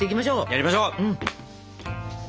やりましょう。